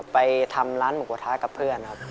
ไปทำร้านหมูกระทะกับเพื่อนครับ